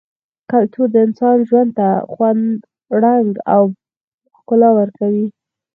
کلتور د انسان ژوند ته خوند ، رنګ او ښکلا ورکوي -